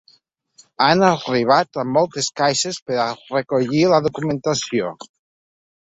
Han arribat amb moltes caixes per a recollir la documentació.